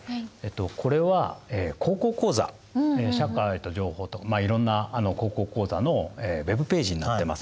これは「高校講座社会と情報」といろんな「高校講座」のウェブページになってます。